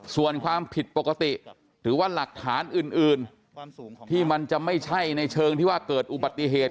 ส่วนความผิดปกติหรือว่าหลักฐานอื่นที่มันจะไม่ใช่ในเชิงที่ว่าเกิดอุบัติเหตุ